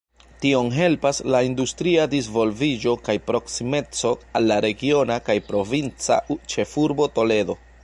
Tion helpas la industria disvolviĝo kaj proksimeco al la regiona kaj provinca ĉefurbo Toledo.